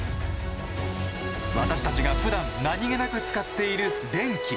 私たちがふだん何気なく使っている電気。